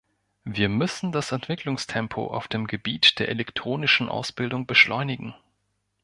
Wir müssen das Entwicklungstempo auf dem Gebiet der elektronischen Ausbildung beschleunigen.